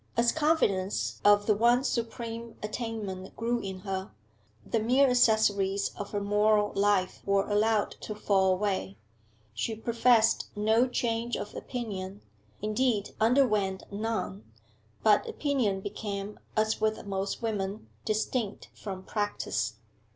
As confidence of the one supreme attainment grew in her, the mere accessories of her moral life were allowed to fall away. She professed no change of opinion, indeed under. went none, but opinion became, as with most women, distinct from practice.